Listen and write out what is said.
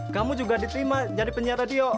kamu juga diterima jadi penyiar radio